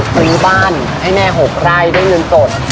ซื้อบ้านให้แม่หกไล่ด้วยเงินสด